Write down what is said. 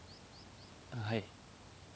はい。